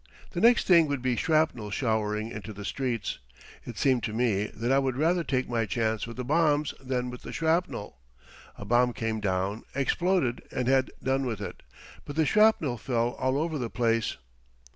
The next thing would be shrapnel showering into the streets. It seemed to me that I would rather take my chance with the bombs than with the shrapnel. A bomb came down, exploded, and had done with it; but the shrapnel fell all over the place.